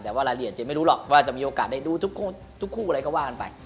แต่ว่ารายละเอียดเจ๊ไม่รู้หรอกว่าจะมีโอกาสได้ดูทุกคู่อะไรก็ว่ากันไป